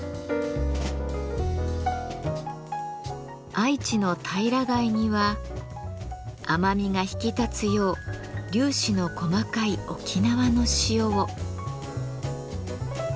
愛知のたいら貝には甘みが引き立つよう粒子の細かい沖縄の塩を。